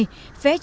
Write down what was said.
vẽ tranh trên sách